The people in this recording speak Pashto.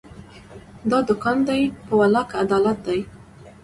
دا دوکان دی، په والله که عدالت دی